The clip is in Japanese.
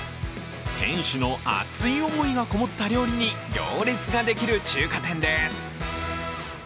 店主の熱い思いがこもった料理に行列ができる中華店です。